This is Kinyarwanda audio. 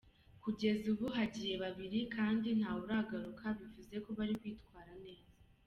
Kugeza ubu hagiye babiri kandi ntawe uragaruka bivuze ko bari kwitwara neza.